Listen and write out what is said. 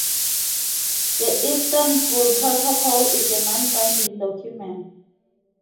The Istanbul Protocol is a non-binding document.